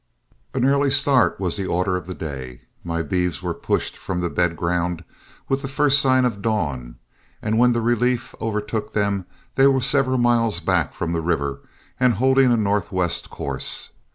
An early start was the order of the day. My beeves were pushed from the bed ground with the first sign of dawn, and when the relief overtook them, they were several miles back from the river and holding a northwest course.